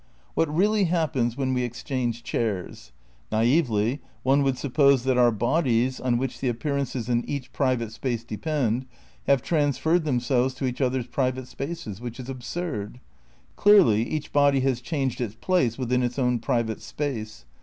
What really happens when we exchange chairs? Naively, one would suppose that our bodies, on which the appearances in each private space depend, have transferred themselves to each other's private spaces, which is absurd. Clearly, each body has changed its place within its own private space.